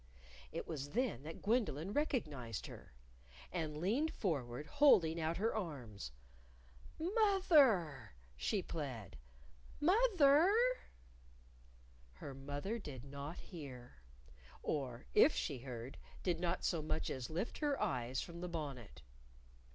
It was then that Gwendolyn recognized her. And leaned forward, holding out her arms. "Moth er!" she plead. "Mother!" Her mother did not hear. Or, if she heard, did not so much as lift her eyes from the bonnet.